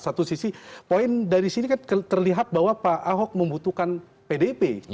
satu sisi poin dari sini kan terlihat bahwa pak ahok membutuhkan pdip